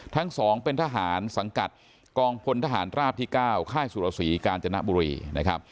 ทั้งสองเป็นทหารสังกัดกองพลทหารราบที่๙ค่ายสุรสีกาญจนบุรีนะครับ